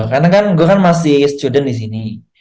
karena kan gue kan masih student disini